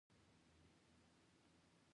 آیا پښتو یوه ادبي ژبه نه ده؟